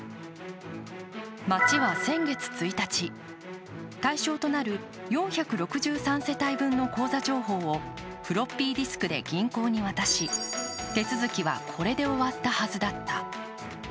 町は先月１日、対象となる４６３世帯分の口座情報をフロッピーディスクで銀行に渡し、手続きはこれで終わったはずだった。